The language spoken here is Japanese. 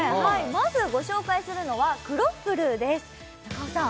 まずご紹介するのはクロッフルです中尾さん